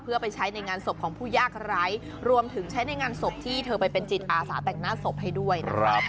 เพื่อไปใช้ในงานศพของผู้ยากไร้รวมถึงใช้ในงานศพที่เธอไปเป็นจิตอาสาแต่งหน้าศพให้ด้วยนะครับ